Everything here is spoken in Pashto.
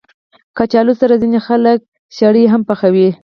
کچالو سره ځینې خلک شړې هم پخوي